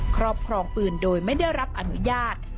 ครอบครองปืนโดยไม่ได้รับอนุญาต